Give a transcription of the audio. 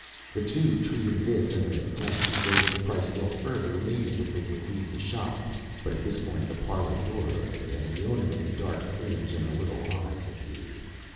The two, treating this as an attempt to raise the price still further, made as if they would leave the shop. But at this point the parlour door opened, and the owner of the dark fringe and the little eyes appeared.